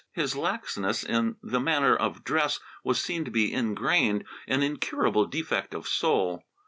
His laxness in the manner of dress was seen to be ingrained, an incurable defect of soul.